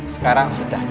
sekarang sudah jelas